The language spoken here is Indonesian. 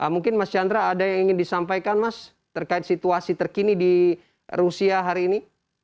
mungkin mas chandra ada yang ingin disampaikan mas terkait situasi terkini di rusia hari ini